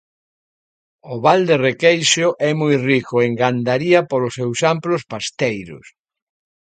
O val de Requeixo é moi rico en gandaría polos seus amplos pasteiros.